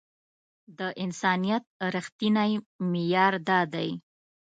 د انسانيت رښتينی معيار دا دی.